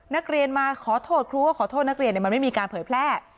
นักเรียนมาขอโทษครูว่าขอโทษนักเรียนมันไม่มีการเผยแพร่